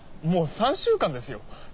もう３週間ですよ。